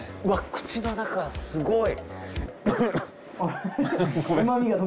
口の中すごい！